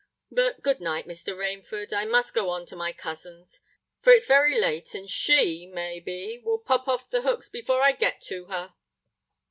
But good night, Mr. Rainford: I must go on to my cousin's—for it's very late, and she, may be, will pop off the hooks before I get to her."